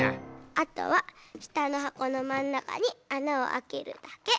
あとはしたのはこのまんなかにあなをあけるだけ。